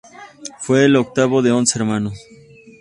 Fue el octavo de once hermanos.